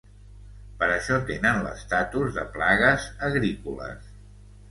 Per això tenen l'estatus de plagues agrícoles.